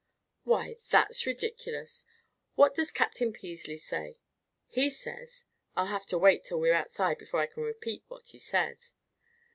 "Why, that's ridiculous! What does Captain Peasley say?" "He says I'll have to wait till we're outside before I can repeat what he says."